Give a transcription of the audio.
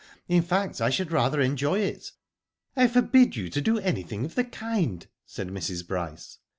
In fact I should rather enjoy it." " I forbid you to do anything of the kind/^ said Mrs. Bryce.